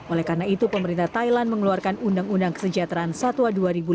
oleh karena itu pemerintah thailand mengeluarkan undang undang kesejahteraan satwa dua ribu lima belas